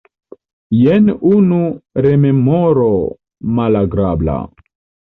Jen unu rememoro malagrabla.